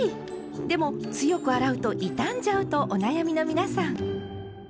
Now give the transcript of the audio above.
でも強く洗うと傷んじゃうとお悩みの皆さん。